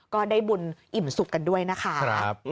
ก็ได้บุญอิ่มสุขกันด้วยนะคะ